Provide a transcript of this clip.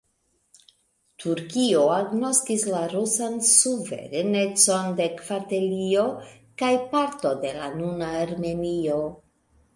Turkio agnoskis la rusan suverenecon de Kartvelio kaj parto de la nuna Armenio.